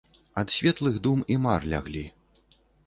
Ад светлых дум і мар ляглі.